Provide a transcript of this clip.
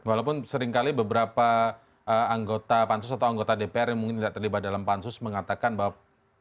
walaupun sering kali beberapa anggota pansus atau anggota dpr mungkin tidak terlibat dalam pansus mengatakan bahwa ketika dipanggil oleh pansus